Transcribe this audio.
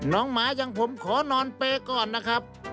หมาอย่างผมขอนอนเปย์ก่อนนะครับ